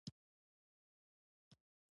آیا سنتور او تار مشهورې الې نه دي؟